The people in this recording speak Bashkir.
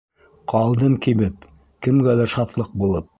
Ҡалдым кибеп, Кемгәлер шатлыҡ булып!